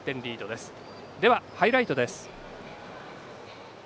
では、ハイライトです。